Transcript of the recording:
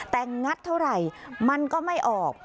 แต่งัดเท่าไหร่มันก็ไม่ออก